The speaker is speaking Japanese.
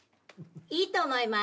いいと思います。